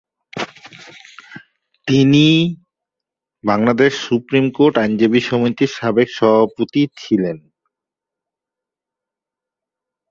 তিনি Bangladesh supreme court আইনজীবী সমিতির সাবেক সভাপতি ছিলেন।